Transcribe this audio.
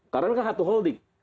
karena mereka satu holding